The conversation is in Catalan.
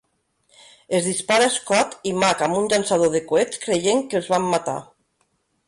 Es dispara a Scott i Mac amb un llançador de coets, creient que els van matar.